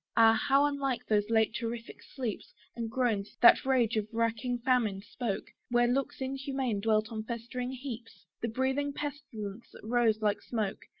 Ah! how unlike those late terrific sleeps! And groans, that rage of racking famine spoke, Where looks inhuman dwelt on festering heaps! The breathing pestilence that rose like smoke!